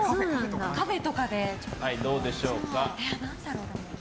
カフェとかで。